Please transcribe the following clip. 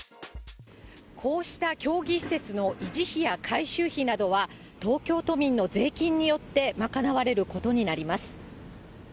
こうした競技施設の維持費や改修費などは、東京都民の税金によって賄われることになります。